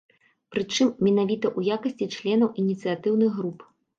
Прычым, менавіта ў якасці членаў ініцыятыўных груп.